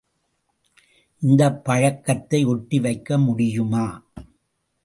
இந்தப்பழத்தை ஒட்டி வைக்க முடியுமா?